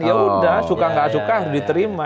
ya udah suka nggak suka harus diterima